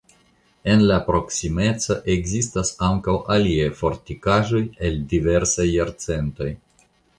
En la proksimeco ekzistas ankaŭ aliaj fortikaĵoj el diversaj jarcentoj.